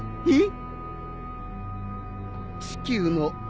えっ？